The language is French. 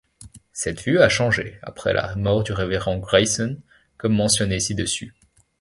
Cette vue a changé après la mort du Révérend Grayson, comme mentionné ci-dessus.